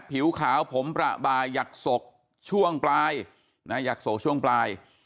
ผิวขาวผมประบายอยากโศกช่วงปลายอยากโศกช่วงปลาย